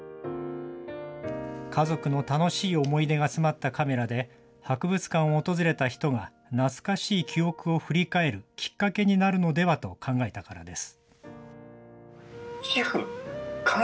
家族の楽しい思い出が詰まったカメラで、博物館を訪れた人が懐かしい記憶を振り返るきっかけになるのではと考えたからです。